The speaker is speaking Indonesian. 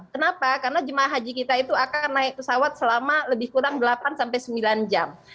kenapa karena jemaah haji kita itu akan naik pesawat selama lebih kurang delapan sampai sembilan jam